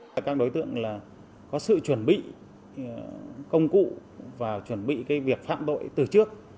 các đối tượng có sự chuẩn bị công cụ và chuẩn bị việc phạm tội từ trước